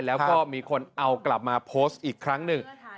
แล้วก็มีคนเอากลับมาโพสต์อีกครั้งหนึ่ง